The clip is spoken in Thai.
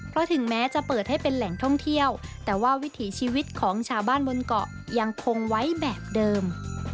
เพราะถึงแม้จะเปิดให้เป็นแหล่งท่องเที่ยวแต่ว่าวิถีชีวิตของชาวบ้านบนเกาะยังคงไว้แบบเดิม